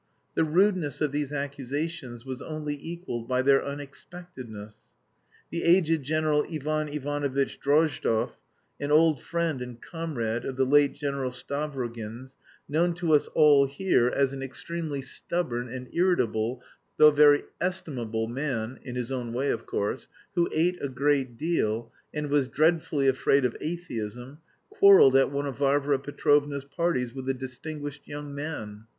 The rudeness of these accusations was only equalled by their unexpectedness. The aged General Ivan Ivanovitch Drozdov, an old friend and comrade of the late General Stavrogin's, known to us all here as an extremely stubborn and irritable, though very estimable, man (in his own way, of course), who ate a great deal, and was dreadfully afraid of atheism, quarrelled at one of Varvara Petrovna's parties with a distinguished young man.